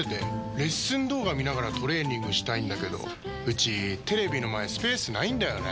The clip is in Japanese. レッスン動画見ながらトレーニングしたいんだけどうちテレビの前スペースないんだよねー。